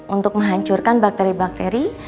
untuk menghancurkan bakteri bakteri